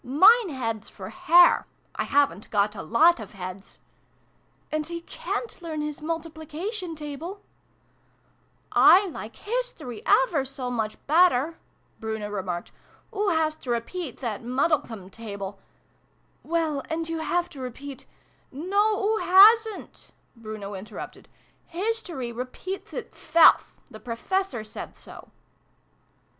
"Mine head's for hair. \ haven't got a lot of heads !"" and he ca'n't learn his Multiplication table "" I like History ever so much better," Bruno remarked. " Oo has to repeat that Muddlecome table "" Well, and you have to repeat " No, oo hasn't !" Bruno interrupted. " His tory repeats itself. The Professor said so